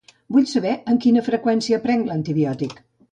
Vull saber amb quina freqüència prenc l'antibiòtic.